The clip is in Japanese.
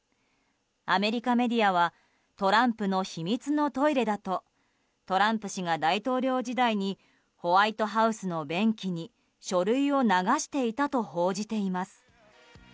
アメリカメディアはトランプの秘密のトイレだとトランプ氏が大統領時代にホワイトハウスの便器に書類を流していたと報じています。